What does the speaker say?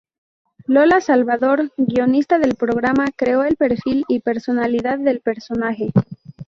Lola Salvador, guionista del programa creó el perfil y personalidad del personaje.